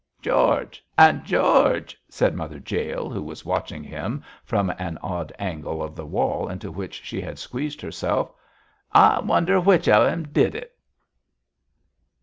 'George! and George!' said Mother Jael, who was watching him from an odd angle of the wall into which she had squeezed herself, 'I wonder which of 'em did it?'